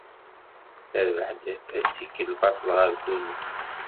Terbeḥ-d assikel baṭel ɣer Tunes.